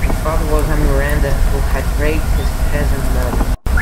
His father was a Miranda who had raped his peasant mother.